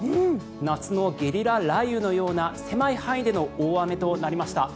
夏のゲリラ雷雨のような狭い範囲での大雨となりました。